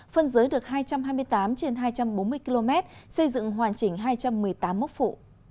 phân giới được hai trăm hai mươi tám trên hai trăm bốn mươi km xây dựng hoàn chỉnh hai trăm một mươi tám mốc phụ